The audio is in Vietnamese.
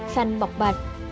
khanh bọc bạch